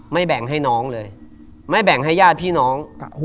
แบ่งให้น้องเลยไม่แบ่งให้ญาติพี่น้อง